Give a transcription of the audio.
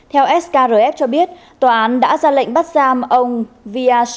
theo skrf cho biết tòa án đã ra lệnh bắt giam ông vyacheslav gezer